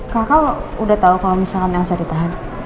kakak udah tau kalo misalkan elsa ditahan